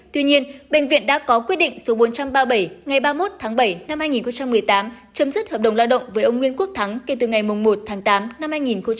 tuy nhiên bệnh viện đã có quyết định số bốn trăm ba mươi bảy ngày ba mươi một tháng bảy năm hai nghìn một mươi tám chấm dứt hợp đồng lao động với ông nguyễn quốc thắng kể từ ngày một tháng tám năm hai nghìn một mươi chín